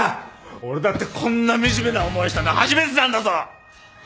俺だってこんな惨めな思いしたの初めてなんだぞ！